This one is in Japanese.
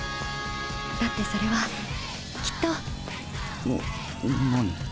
だってそれはきっとな何？